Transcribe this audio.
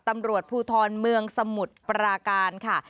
ตำรวจภูทรเมืองสมุทรปราการค่ะ